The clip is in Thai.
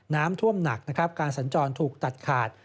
น้ำท่วมหนักการสัญจรถูกตัดขาด